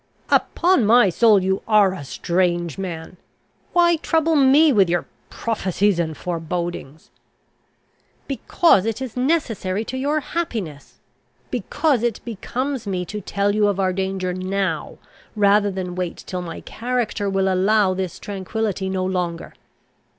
"Upon my soul, you are a strange man! Why trouble me with your prophecies and forebodings?" "Because it is necessary to your happiness! Because it becomes me to tell you of our danger now, rather than wait till my character will allow this tranquillity no longer!